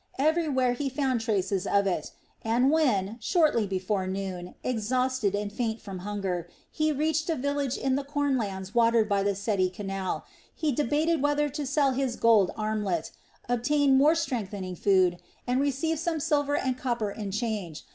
Everywhere he found traces of it, and when, shortly before noon, exhausted and faint from hunger, he reached a village in the cornlands watered by the Seti canal, he debated whether to sell his gold armlet, obtain more strengthening food, and receive some silver and copper in change.